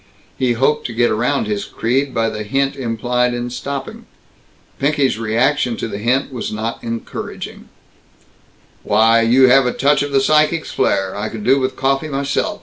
He hoped to get around his creed by the hint implied in stopping. Pinky's reaction to the hint was not encouraging: "Why, you have a touch of the psychic's flare! I could do with coffee myself.